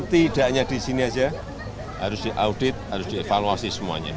tidak hanya di sini saja harus diaudit harus dievaluasi semuanya